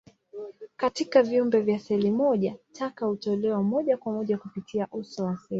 Katika viumbe vya seli moja, taka hutolewa moja kwa moja kupitia uso wa seli.